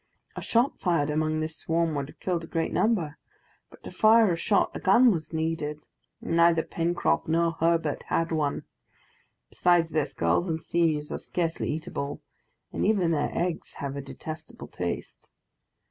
A shot fired among this swarm would have killed a great number, but to fire a shot a gun was needed, and neither Pencroft nor Herbert had one; besides this, gulls and sea mews are scarcely eatable, and even their eggs have a detestable taste.